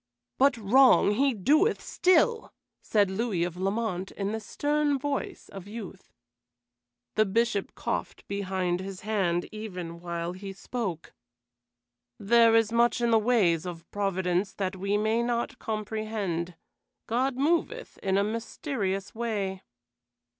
"But wrong he doeth still," said Louis of Lamont, in the stern voice of youth. The Bishop coughed behind his hand even while he spoke. "There is much in the ways of Providence that we may not comprehend. God moveth in a mysterious way."